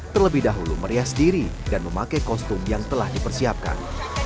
terlebih dahulu merias diri dan memakai kostum yang telah dipersiapkan